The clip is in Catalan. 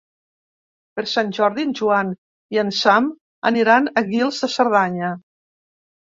Per Sant Jordi en Joan i en Sam aniran a Guils de Cerdanya.